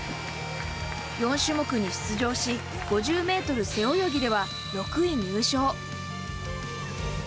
４種目に出場し、５０メートル背泳ぎでは６位入賞。